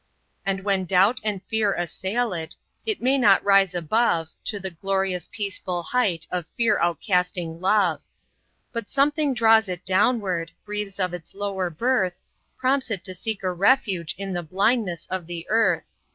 And when doubt and fear assail it, it may not rise above To the glorious, peaceful height of fear outcasting love; But something draws it downward, breathes of its lower birth, Prompts it to seek a refuge in the blindness of the earth.